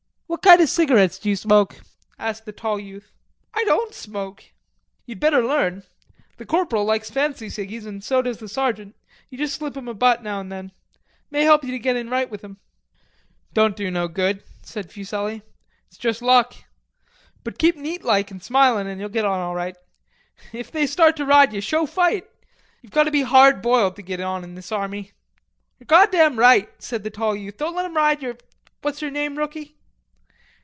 "What kind of cigarettes d'ye smoke?" asked the tall youth. "I don't smoke." "Ye'd better learn. The corporal likes fancy ciggies and so does the sergeant; you jus' slip 'em each a butt now and then. May help ye to get in right with 'em." "Don't do no good," said Fuselli.... "It's juss luck. But keep neat like and smilin' and you'll get on all right. And if they start to ride ye, show fight. Ye've got to be hard boiled to git on in this army." "Ye're goddam right," said the tall youth. "Don't let 'em ride yer.... What's yer name, rookie?"